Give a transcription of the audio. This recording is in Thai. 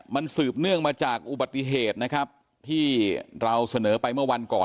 มันสืบเนื่องมาจากอุบัติเหตุนะครับที่เราเสนอไปเมื่อวันก่อน